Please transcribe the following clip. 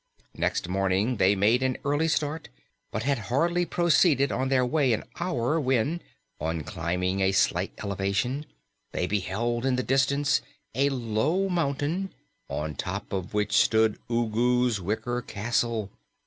Next morning they made an early start, but had hardly proceeded on their way an hour when, on climbing a slight elevation, they beheld in the distance a low mountain on top of which stood Ugu's wicker castle.